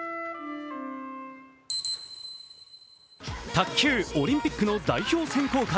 卓球、オリンピックの代表選考会。